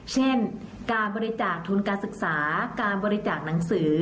เช่นการบริจาคทุนการศึกษาการบริจาคหนังสือ